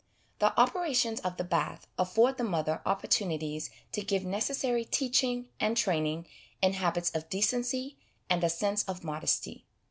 The operations of the bath afford the mother opportunities to give necessary teaching and training in habits of decency, and a sense of modesty.